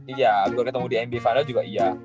iya buat ketemu di nba final juga iya